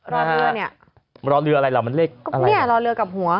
รอเรือเนี่ยรอเรืออะไรล่ะมันเลขก็เนี่ยรอเรือกับหัว